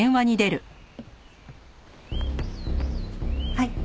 はい。